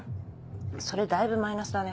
それだいぶマイナスだね。